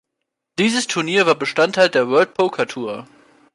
Dieses Turnier war Bestandteil der "World Poker Tour".